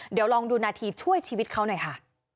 เดี๋ยวลองดูนาทีช่วยชีวิตเขาหน่อยค่ะ